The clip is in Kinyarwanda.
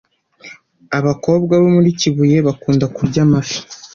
Abakobwa bo muri kibuye bakunda kurya amafi